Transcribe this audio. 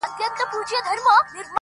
سړي وویل زما ومنه که ښه کړې؛